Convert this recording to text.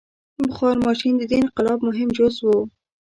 • بخار ماشین د دې انقلاب مهم جز و.